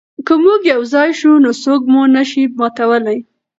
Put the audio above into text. که موږ یو ځای شو نو څوک مو نه شي ماتولی.